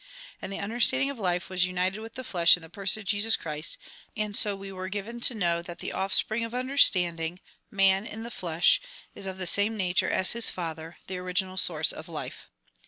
And the understanding of life was united with the flesh in the person of Jesus Christ, and so we were given to know that the offspring of under standing, man in the flesh, is of the same nature as his Father, the original source of life.